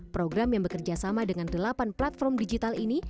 program yang bekerjasama dengan delapan platform digital ini